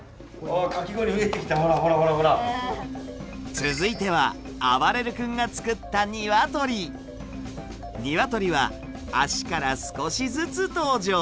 続いてはあばれる君が作ったにわとりは足から少しずつ登場。